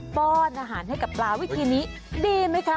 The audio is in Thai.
ป้อนอาหารให้กับปลาวิธีนี้ดีไหมคะ